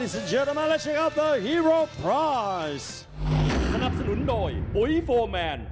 สนับสนุนโดยปุ๋ยโฟร์แมน